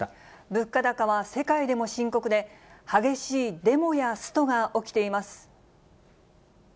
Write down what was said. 物価高は世界でも深刻で、激しいデモやストが起きています。